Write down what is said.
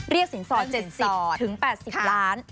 เรียกสินสอด๗๐ถึง๘๐ล้าน